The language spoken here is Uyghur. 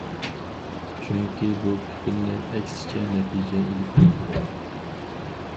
چۈنكى بۇ پۈتۈنلەي ئەكسىچە نەتىجە ئېلىپ كەلدى.